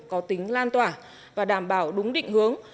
có tính lan tỏa và đảm bảo đúng định hướng